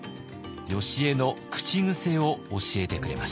よしえの口癖を教えてくれました。